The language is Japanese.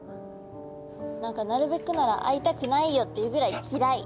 何かなるべくなら会いたくないよっていうぐらいきらい。